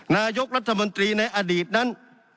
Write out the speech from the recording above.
นายกรัฐมนตรีในอดีตนั้น